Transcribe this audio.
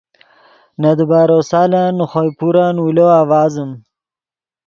نے دیبارو سالن نے خوئے پورن اولو آڤازیم